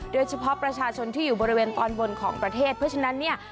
โดยเฉพาะประชาชนที่อยู่บริเวณตอนบนของประเทศเพราะฉะนั้นเนี่ย